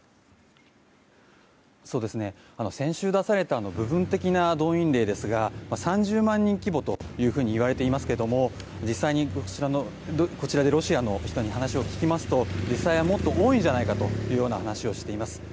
先週出された部分的な動員令ですが３０万人規模といわれていますけれども実際にこちらでロシアの人に話を聞きますと実際はもっと多いんじゃないかというような話をしています。